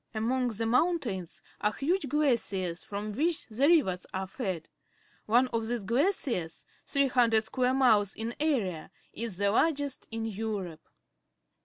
Among the mountains are huge glaciers from which the rivers are fed. One of these glaciers, 300 square miles in area, is the largest in Europe.